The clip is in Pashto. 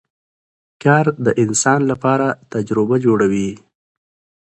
کار د انسان لپاره تجربه جوړوي